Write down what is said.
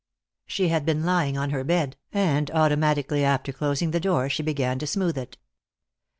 She had been lying on her bed, and automatically after closing the door she began to smooth it.